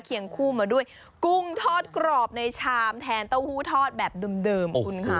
เคียงคู่มาด้วยกุ้งทอดกรอบในชามแทนตะโฟทอดแบบเดิมคุณค่ะ